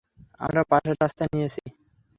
আমরা পাশের রাস্তা নিয়েছি।